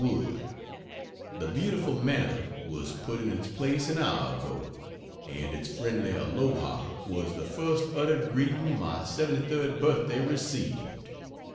WOOD, The beautiful mantel was put in its place an hour ago, and its friendly "Aloha" was the first uttered greeting my 73rd birthday received.